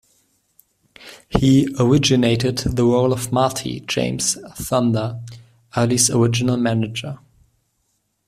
He originated the role of Marty, James "Thunder" Early's original manager.